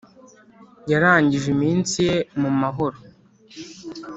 yarangije iminsi ye mu mahoro